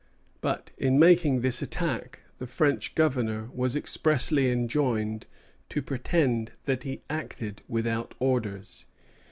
But, in making this attack, the French Governor was expressly enjoined to pretend that he acted without orders.